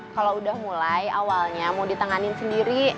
kalau udah mulai awalnya mau ditenganin sendiri